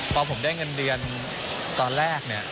พอผมได้เงินเดือนตอนแรกเนี่ย